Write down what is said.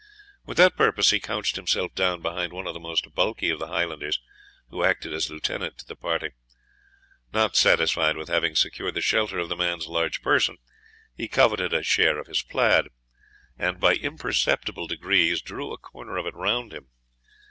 With that purpose he couched himself down behind one of the most bulky of the Highlanders, who acted as lieutenant to the party. Not satisfied with having secured the shelter of the man's large person, he coveted a share of his plaid, and by imperceptible degrees drew a corner of it round him.